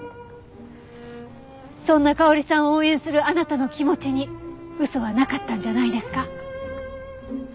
そんな香織さんを応援するあなたの気持ちに嘘はなかったんじゃないですか？